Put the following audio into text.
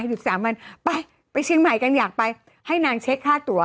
ถึงสามวันไปไปเชียงใหม่กันอยากไปให้นางเช็คค่าตัว